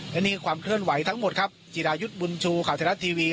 และนี่ความเคลื่อนไหวทั้งหมดครับจิรายุทธ์บุญชูข่าวไทยรัฐทีวี